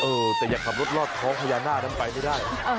เออแต่อย่าขับรถรอดท้องพญานาคนั้นไปไม่ได้